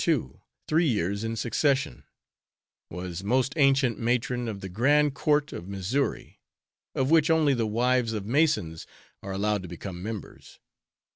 2, three years in succession; was Most Ancient Matron of the "Grand Court of Missouri," of which only the wives of Masons are allowed to become members.